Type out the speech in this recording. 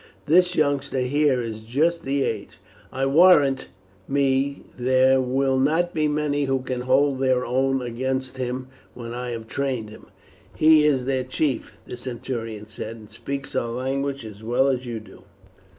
This youngster here is just the age. I warrant me there will not be many who can hold their own against him when I have trained him." "He is their chief," the centurion said, "and speaks our language as well as you do."